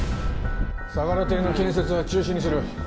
相良邸の建設は中止にする。